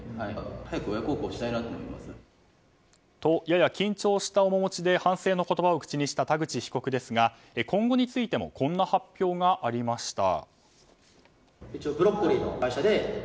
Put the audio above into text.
やや緊張した面持ちで反省の言葉を口にした田口被告ですが今後についてもこんな発表がありました。